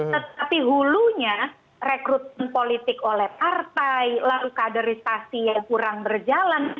tetapi hulunya rekrutmen politik oleh partai lalu kaderisasi yang kurang berjalan